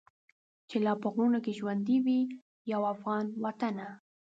چي لا په غرونو کي ژوندی وي یو افغان وطنه.